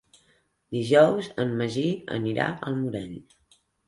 Dijous en Magí anirà al Morell.